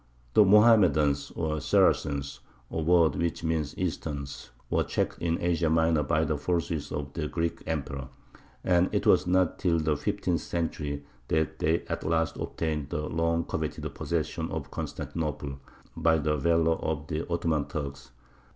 The Mohammedans, or Saracens (a word which means "Easterns"), were checked in Asia Minor by the forces of the Greek Emperor; and it was not till the fifteenth century that they at last obtained the long coveted possession of Constantinople, by the valour of the Ottoman Turks.